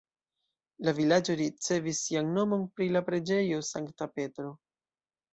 La vilaĝo ricevis sian nomon pri la preĝejo Sankta Petro.